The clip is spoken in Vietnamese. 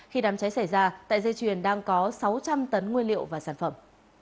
khi đám cháy xảy ra tại dây chuyền đang có sáu trăm linh tấn nguyên liệu và sản phẩm